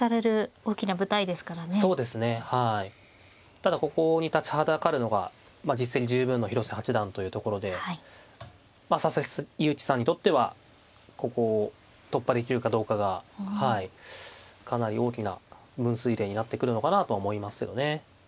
ただここに立ちはだかるのが実績十分の広瀬八段というところで佐々木勇気さんにとってはここを突破できるかどうかがはいかなり大きな分水れいになってくるのかなとは思いますけどね。